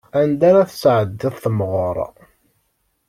Anda ara tesɛeddiḍ temɣeṛ?